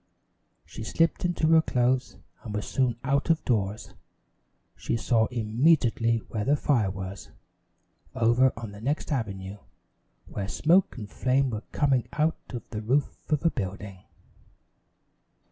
She slipped into her clothes, and was soon out of doors. She saw immediately where the fire was over on the next avenue, where smoke and flame were coming out of the roof of a building.